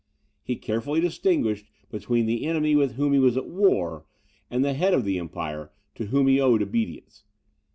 He carefully distinguished between the enemy with whom he was at war, and the head of the Empire, to whom he owed obedience.